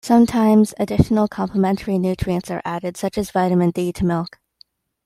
Sometimes, additional complementary nutrients are added, such as vitamin D to milk.